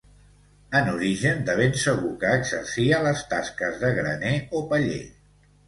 En origen de ben segur que exercia les tasques de graner o paller.